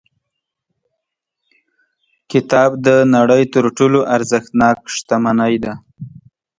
کتاب د نړۍ تر ټولو ارزښتناک شتمنۍ ده.